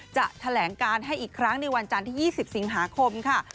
แถลงการให้อีกครั้งในวันจันทร์ที่๒๐สิงหาคมค่ะ